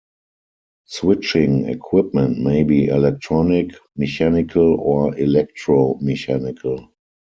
Switching equipment may be electronic, mechanical, or electro-mechanical.